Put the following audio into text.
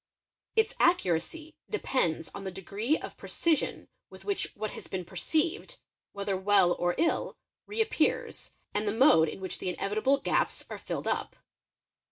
Its ' accuracy depends on the degree of precision with which what has been _ perceived, whether well or ill, re appears, and the mode in which the inevitable gaps are filled up.